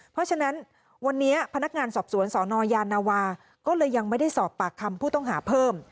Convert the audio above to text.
เพราะฉะนั้นวันนี้พนักงานสอบสวนสนยานาวาก็เลยยังไม่ได้สอบปากคำผู้ต้องหาเพิ่ม